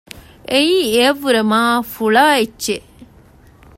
އެއީ އެޔަށްވުރެ މާ ފުޅާ އެއްޗެއް